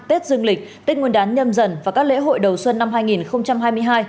tết dương lịch tết nguyên đán nhâm dần và các lễ hội đầu xuân năm hai nghìn hai mươi hai